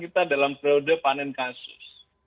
kita dalam periode panen kasus